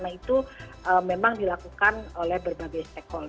nah itu memang dilakukan oleh berbagai stakeholder